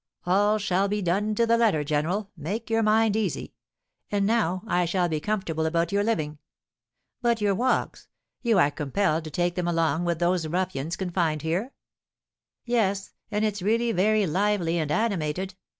"All shall be done to the letter, general; make your mind easy. And now I shall be comfortable about your living. But your walks; you are compelled to take them along with those ruffians confined here?" "Yes; and it's really very lively and animated.